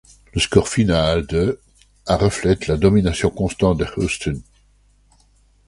Le score final de à reflète la domination constante de Houston.